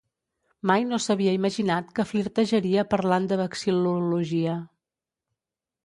Mai no s'havia imaginat que flirtejaria parlant de vexil·lologia.